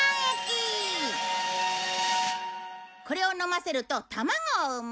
これを飲ませると卵を産む。